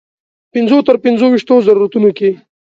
پنځو تر پنځه ویشتو ضرورتونو کې.